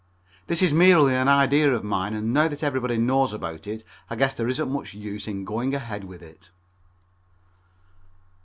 This is merely an idea of mine, and now that everybody knows about it I guess there isn't much use in going ahead with it.